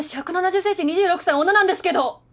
私 １７０ｃｍ２６ 歳女なんですけど！